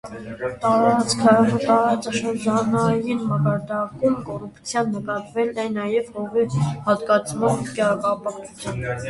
Տարածաշրջանային մակարդակում կոռուպցիան նկատվել է նաև հողի հատկացման կապակցությամբ։